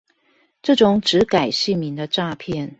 這種只改姓名的詐騙